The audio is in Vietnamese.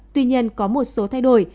tuy nhiên có một số thay đổi